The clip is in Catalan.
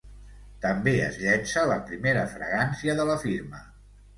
També es llença la primera fragància de la firma.